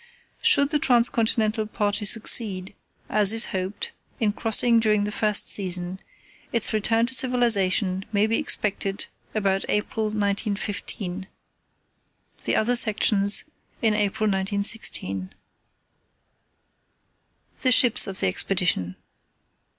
"Should the Trans continental party succeed, as is hoped, in crossing during the first season, its return to civilization may be expected about April 1915. The other sections in April 1916. "_The Ships of the Expedition.